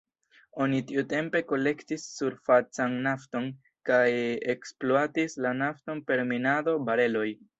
Oni tiutempe kolektis surfacan nafton kaj ekspluatis la nafton per minado, bareloj.